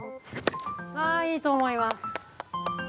あいいと思います！